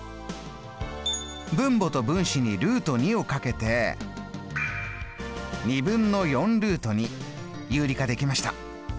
分母と分子にをかけて有理化できました。